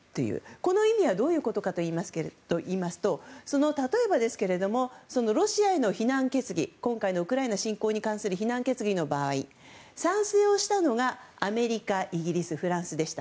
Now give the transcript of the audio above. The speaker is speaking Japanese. この意味はどういうことかといいますと例えばですけれどもロシアへの今回のウクライナ侵攻に関する非難決議の場合賛成をしたのがアメリカイギリス、フランスでした。